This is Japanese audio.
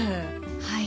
はい。